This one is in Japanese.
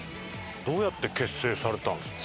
どうやって結成されたんですか？